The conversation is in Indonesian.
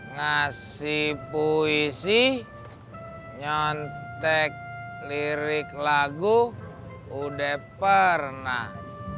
ngasih puisi niontek lirik lagu udeh pernah